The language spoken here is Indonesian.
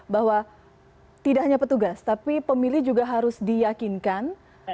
bahwa tidak hanya petugas tapi pemilih juga harus diyakinkan